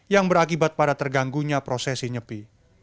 yang berakibat pada terganggunya prosesi nyepi